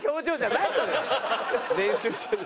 練習してる。